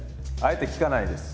あえて聞かないです。